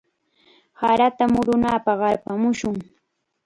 Sarata murunapaq qarpamushun.